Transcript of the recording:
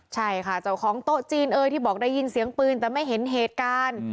ใช่ค่ะเจ้าของโต๊ะจีนเอ่ยที่บอกได้ยินเสียงปืนแต่ไม่เห็นเหตุการณ์